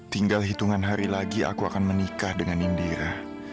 tinggal hitungan hari lagi aku akan menikah dengan indira